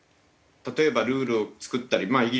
例えばルールを作ったりまあ